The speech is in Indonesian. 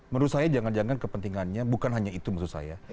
menurut saya jangan jangan kepentingannya bukan hanya itu menurut saya